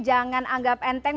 jangan anggap enteng